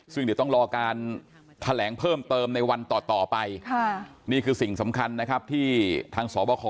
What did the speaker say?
ซึ่งเดี๋ยวต้องรอการแถลงเพิ่มเติมในวันต่อไปนี่คือสิ่งสำคัญนะครับที่ทางสบค